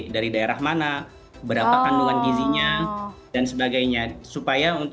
dari daerah mana berapa kandungan gizinya dan sebagainya